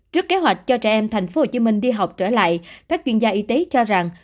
trước kế hoạch cho trẻ em tp hcm đi học trở lại các chuyên gia y tế cho rằng